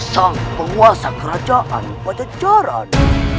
sang penguasa kerajaan pancacaran